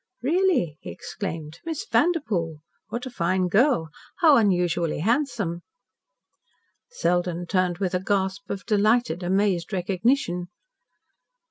"Really," he exclaimed, "Miss Vanderpoel! What a fine girl! How unusually handsome!" Selden turned with a gasp of delighted, amazed recognition.